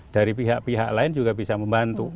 dari pihak pihak lain juga bisa membantu